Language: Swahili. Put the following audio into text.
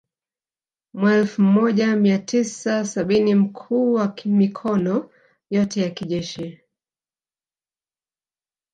Mwelfu moja mia tisa sabini mkuu wa mikono yote ya kijeshi